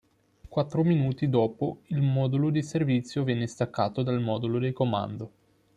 Quattro minuti dopo il modulo di servizio venne staccato dal modulo di comando.